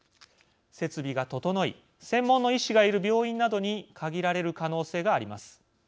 設備が整い専門の医師がいる病院などに限られる可能性があります。